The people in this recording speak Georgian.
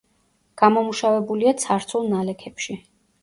გამომუშავებულია ცარცულ ნალექებში.